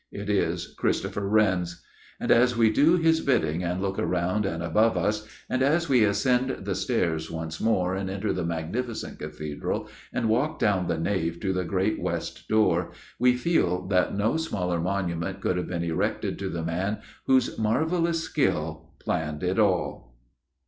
It is Christopher Wren's. And, as we do his bidding, and look around and above us, and as we ascend the stairs once more, and enter the magnificent Cathedral and walk down the nave to the great west door, we feel that no smaller monument could have been erected to the man whose marvellous skill planned it all.